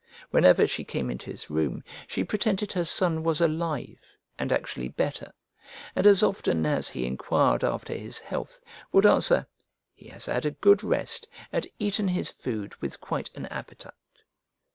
Whenever she came into his room, she pretended her son was alive and actually better: and as often as he enquired after his health, would answer, "He has had a good rest, and eaten his food with quite an appetite."